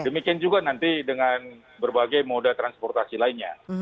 demikian juga nanti dengan berbagai moda transportasi lainnya